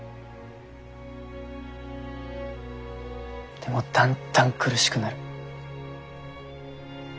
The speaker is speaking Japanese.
でもだんだん苦しくなる。